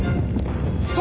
殿！